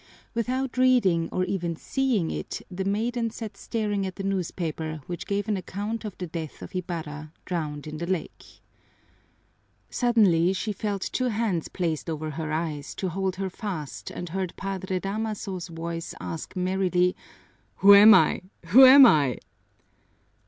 Without reading or even seeing it the maiden sat staring at the newspaper which gave an account of the death of Ibarra, drowned in the lake. Suddenly she felt two hands placed over her eyes to hold her fast and heard Padre Damaso's voice ask merrily, "Who am I? Who am I?"